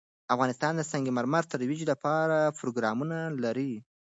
افغانستان د سنگ مرمر د ترویج لپاره پروګرامونه لري.